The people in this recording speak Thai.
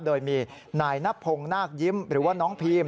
โดยมีนายนับพงศ์นาคยิ้มหรือว่าน้องพีม